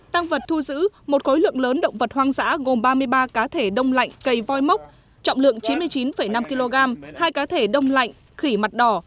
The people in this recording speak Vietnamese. tăng vật thu giữ một khối lượng lớn động vật hoang dã gồm ba mươi ba cá thể đông lạnh cây voi mốc trọng lượng chín mươi chín năm kg hai cá thể đông lạnh khỉ mặt đỏ